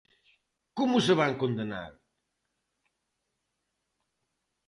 ¡¿Como se van condenar?!